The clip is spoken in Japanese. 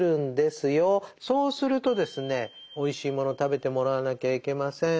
そうするとですねおいしいもの食べてもらわなきゃいけません。